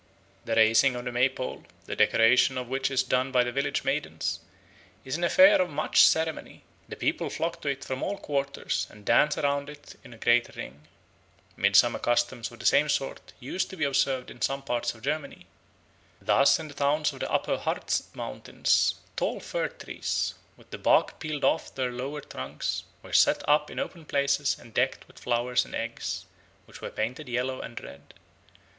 The raising of the May pole, the decoration of which is done by the village maidens, is an affair of much ceremony; the people flock to it from all quarters, and dance round it in a great ring. Midsummer customs of the same sort used to be observed in some parts of Germany. Thus in the towns of the Upper Harz Mountains tall fir trees, with the bark peeled off their lower trunks, were set up in open places and decked with flowers and eggs, which were painted yellow and red.